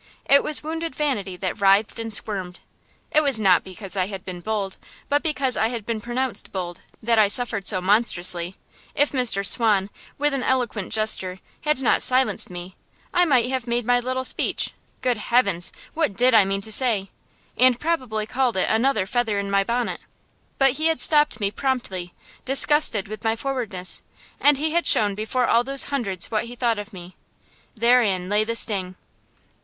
It was wounded vanity that writhed and squirmed. It was not because I had been bold, but because I had been pronounced bold, that I suffered so monstrously. If Mr. Swan, with an eloquent gesture, had not silenced me, I might have made my little speech good heavens! what did I mean to say? and probably called it another feather in my bonnet. But he had stopped me promptly, disgusted with my forwardness, and he had shown before all those hundreds what he thought of me. Therein lay the sting.